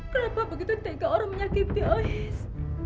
kenapa begitu tiga orang menyakiti ahis